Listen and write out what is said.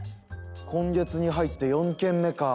今月に入って４件目か。